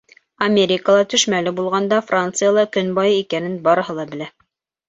Америкала төш мәле булғанда Францияла көн байый икәнен барыһы ла белә.